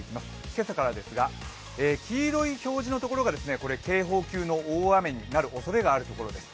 今朝からですが、黄色い表示のところが警報級の大雨になるおそれのあるところです。